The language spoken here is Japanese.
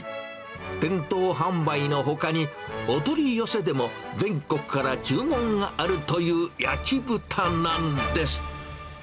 店頭販売のほかに、お取り寄せでも全国から注文があるという焼き豚なんです。